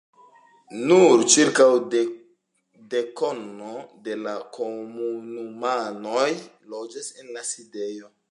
Nur ĉirkaŭ dekono de la komunumanoj loĝas en la sidejo.